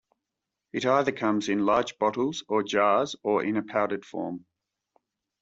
It either comes in large bottles or jars or in a powdered form.